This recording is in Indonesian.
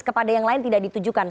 kepada yang lain tidak ditujukan